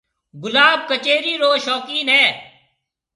گلاب ڪچيرِي رو شوقين ھيََََ